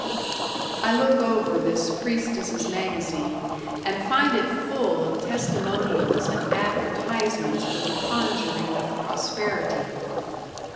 I look over this Priestess' magazine, and find it full of testimonials and advertisements for the conjuring of prosperity.